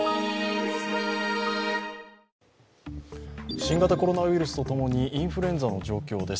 新型コロナウイルスと共にインフルエンザの状況です。